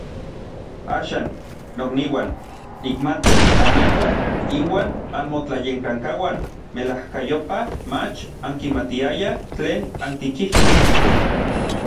Axan, nokniuan, nikmati anmejuan inuan anmotlayekankauan melajkayopaj mach ankimatiayaj tlen ankichijkej.